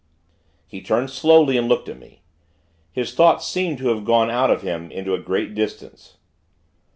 He turned, slowly, and looked at me. His thoughts seemed to have gone out of him into a great distance.